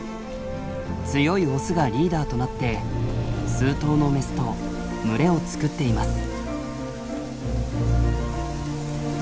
強いオスがリーダーとなって数頭のメスと群れを作っています。